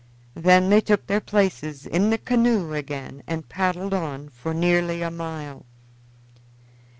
Then they took their places in the canoe again and paddled on for nearly a mile.